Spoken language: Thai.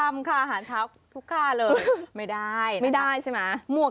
สนุนโดยอีซุสุข